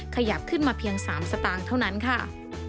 ขยับขึ้นมาเพียง๓สตางค์เท่านั้นค่ะ